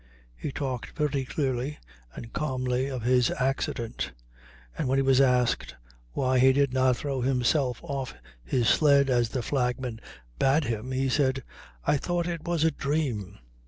He talked very clearly and calmly of his accident, and when he was asked why he did not throw himself off his sled, as the flag man bade him, he said: "_I thought it was a dream.